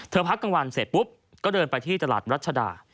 พักกลางวันเสร็จปุ๊บก็เดินไปที่ตลาดรัชดา